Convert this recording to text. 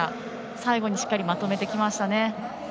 最後にしっかりまとめてきましたね。